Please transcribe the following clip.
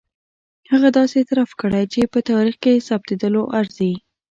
هغه داسې اعتراف کړی چې په تاریخ کې ثبتېدلو ارزي.